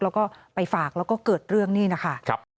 แล้วก็ไปฝากแล้วก็เกิดเรื่องนี่นะคะ